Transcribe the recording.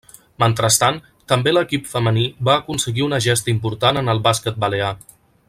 Mentrestant, també l'equip femení va aconseguir una gesta important en el bàsquet balear.